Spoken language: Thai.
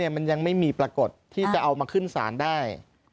มันยังไม่มีปรากฏที่จะเอามาขึ้นศาลได้